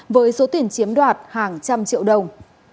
với số tiền chiếm đoạt hàng trăm triệu đồng